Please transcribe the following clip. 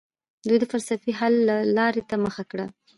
دوی فلسفي حل لارې ته مخه کړه.